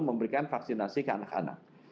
memberikan vaksinasi ke anak anak